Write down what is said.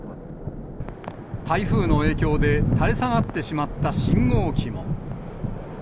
台風の影響で、垂れ下がってしまった信号機も。